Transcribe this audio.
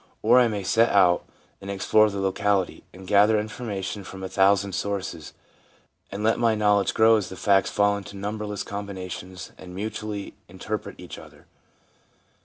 Or I may set out and explore the locality, and gather information from a thousand sources, and let my know ledge grow as the facts fall into numberless combina tions and mutually interpret each other.